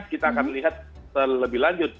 kita akan lihat terlebih lanjut